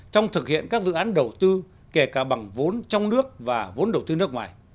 trong thực hiện các dự án đầu tư kể cả bằng vốn trong nước và vốn đầu tư nước ngoài